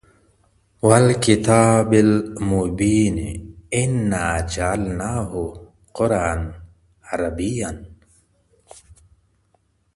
{وَالْكِتَابِ الْمُبِينِ إِنَّا جَعَلْنَاهُ قُرْءَاناً عَرَبِيّاً}.